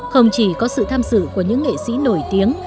không chỉ có sự tham dự của những nghệ sĩ nổi tiếng